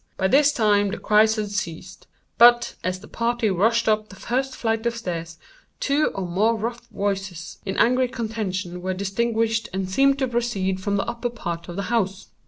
By this time the cries had ceased; but, as the party rushed up the first flight of stairs, two or more rough voices in angry contention were distinguished and seemed to proceed from the upper part of the house.